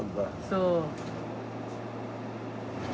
そう。